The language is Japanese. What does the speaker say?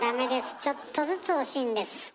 ちょっとずつ惜しいんです。